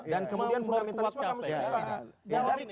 dan kemudian fundamentalisme kamu setuju tidak